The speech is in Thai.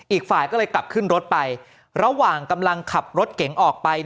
อีกฝ่ายก็เลยกลับขึ้นรถไประหว่างกำลังขับรถเก๋งออกไป